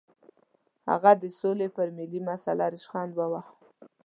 هغه د سولې پر ملي مسله ریشخند وواهه.